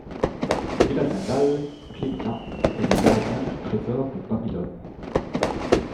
Son village natal, Cleamina, est le gardien du trésor de Babylone.